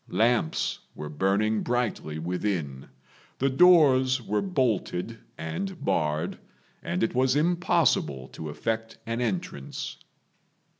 Lamps were burning brightly within; the doors were bolted and barred, and it was impossible to effect an entrance.